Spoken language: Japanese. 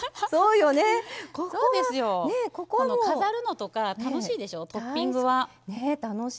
飾るのとか楽しいでしょトッピングは。